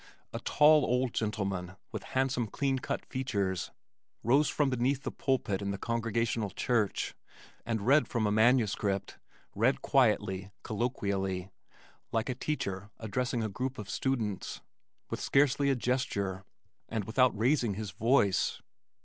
A tall old gentleman with handsome clean cut features, rose from behind the pulpit in the Congregational Church, and read from a manuscript read quietly, colloquially, like a teacher addressing a group of students, with scarcely a gesture and without raising his voice.